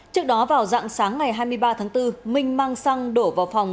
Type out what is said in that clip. trước đó vào dạng sáng ngày hai mươi ba tháng bốn minh mang xăng đổ vào phòng